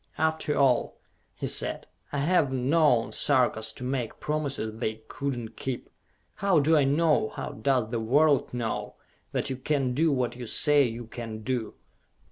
"After all," he said, "I have known Sarkas to make promises they could not keep! How do I know, how does the world know, that you can do what you say you can do?"